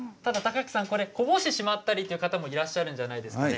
享明さん、こぼしてしまったりという方もいらっしゃるんじゃないですか。